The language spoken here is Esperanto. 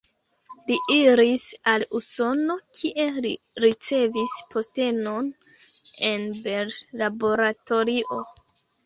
Li iris al Usono, kie li ricevis postenon en Bell Laboratorio.